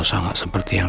dia yang menc superheroes